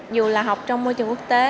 dù là học trong môi trường quốc tế